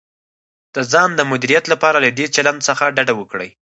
د ځان د مدیریت لپاره له دې چلند څخه ډډه وکړئ: